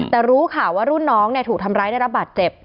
แต่รู้ข่าวว่ารุ่นน้องถูกทำร้ายได้รับบาดเจ็บ